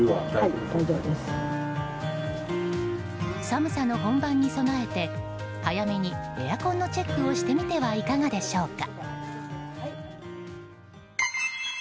寒さの本番に備えて、早めにエアコンのチェックをしてみてはいかがでしょうか？